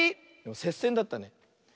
せっせんだったね。